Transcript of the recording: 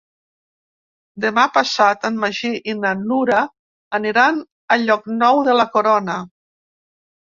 Demà passat en Magí i na Nura aniran a Llocnou de la Corona.